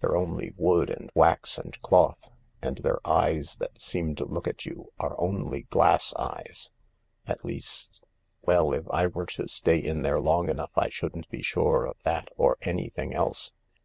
They're only wood and wax and cloth, and their eyes that seem to look at you are only glass eyes. At least ... well, if I were to stay in there long I shouldn't be sure of that or anything else.